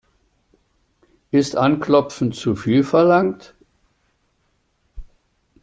Ist Anklopfen zu viel verlangt?